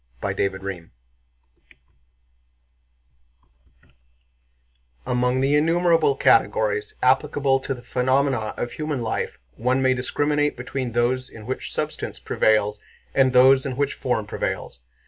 CHAPTER VI Among the innumerable categories applicable to the phenomena of human life one may discriminate between those in which substance prevails and those in which form prevails.